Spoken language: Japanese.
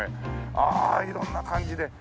ああ色んな感じで。